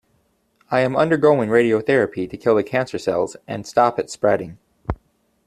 I am undergoing radiotherapy to kill the cancer cells and stop it spreading.